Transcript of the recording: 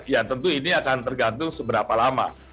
ya tentu ini akan tergantung seberapa lama